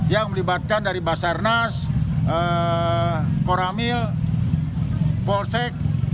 yang melibatkan dari basarnas koramil polsek